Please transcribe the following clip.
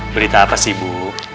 berita apa sih ibu